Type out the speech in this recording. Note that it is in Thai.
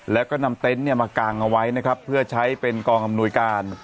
และก็นำเต็นต์มากางเอาไว้เพื่อใช้เป็นกองอำนวยการ